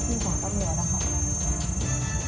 ก็คือปล่อยไปตามหน้าที่ของต้นเหนือ